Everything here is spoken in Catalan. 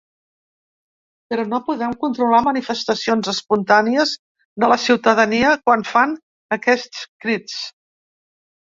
Però no podem controlar manifestacions espontànies de la ciutadania quan fan aquests crits.